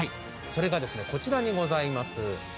それがこちらにございます。